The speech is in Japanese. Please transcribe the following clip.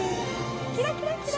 キラキラキラ。